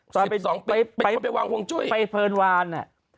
ตอนไปไปเพลินวาน